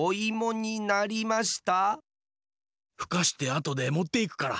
ふかしてあとでもっていくから。